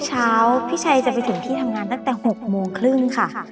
เช้าพี่ชัยจะไปถึงที่ทำงานตั้งแต่๖โมงครึ่งค่ะ